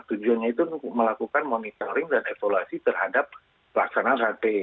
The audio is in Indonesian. tujuannya itu melakukan monitoring dan evaluasi terhadap pelaksanaan hti